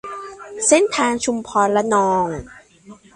เส้นทางชุมพรระนอง